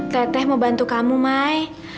tete mau bantu kamu mai